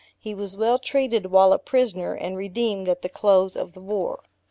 He was well treated while a prisoner, and redeemed at the close of the war.